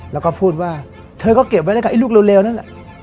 แล้วก็พูดว่าเธอก็เก็บไว้ด้วยกับไอ้ลูกเลวนั่น